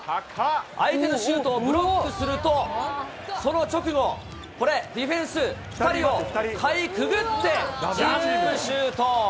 相手のシュートをブロックすると、その直後、これ、ディフェンス、２人をかいくぐって、ダンクシュート。